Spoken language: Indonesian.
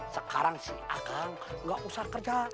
sekarang si agang nggak usah kerja